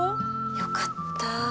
☎よかった。